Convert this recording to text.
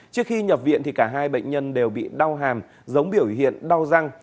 trước khi nhập viện thì cả hai bệnh nhân đều bị đau hàm giống biểu hiện đau răng